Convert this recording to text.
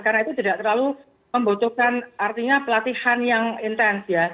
karena itu tidak terlalu membutuhkan artinya pelatihan yang intens